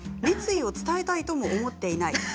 熱意を伝えたいとも思っていない。